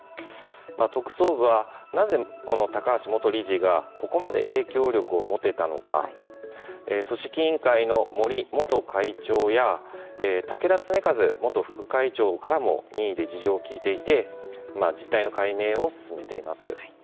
特捜部は、なぜこの高橋元理事がここまで影響力を持てたのか組織委員会の森元会長や竹田恒和元副会長からも任意で事情を聴いていて実態の解明を進めています。